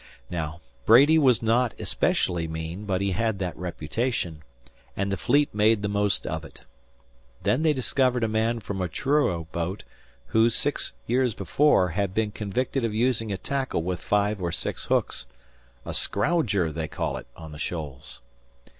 Now, Brady was not especially mean, but he had that reputation, and the Fleet made the most of it. Then they discovered a man from a Truro boat who, six years before, had been convicted of using a tackle with five or six hooks a "scrowger," they call it in the Shoals.